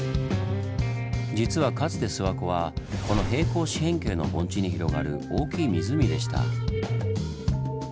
実はかつて諏訪湖はこの平行四辺形の盆地に広がる大きい湖でした。